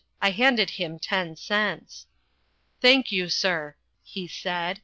I handed him ten cents. "Thank you, sir," he said.